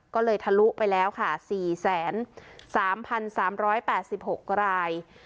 ก็เลยทะลุไปแล้วค่ะ๔๓๓๘๖ราย